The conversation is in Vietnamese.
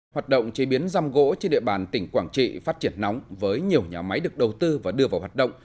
hoạt động chế biến răm gỗ trên địa bàn tỉnh quảng trị phát triển nóng với nhiều nhà máy được đầu tư và đưa vào hoạt động